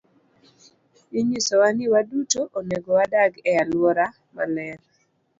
Inyisowa ni waduto onego wadag e alwora maler.